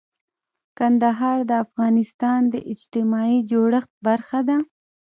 کندهار د افغانستان د اجتماعي جوړښت برخه ده.